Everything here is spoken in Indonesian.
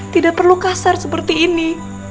tidak perlu kasar seperti ini